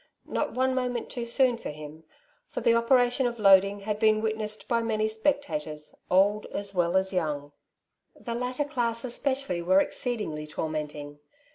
Not one moment too soon for him^ for the operation of loading had been wit nessed by many spectators, old as well as young; the latter class especially were exceedingly tor menting.